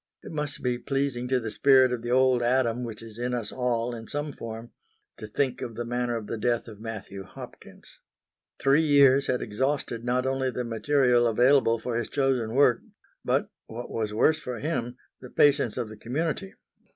It must be pleasing to the spirit of the Old Adam which is in us all in some form, to think of the manner of the death of Matthew Hopkins. Three years had exhausted not only the material available for his chosen work, but, what was worse for him, the patience of the community.